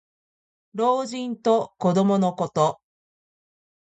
老人と子どものこと。